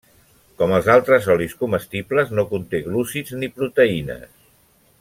Com els altres olis comestibles no conté glúcids ni proteïnes.